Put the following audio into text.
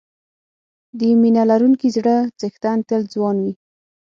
د مینه لرونکي زړه څښتن تل ځوان وي.